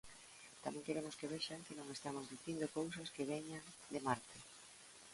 Tamén queremos que vexan que non estamos dicindo cousas que veñan de Marte.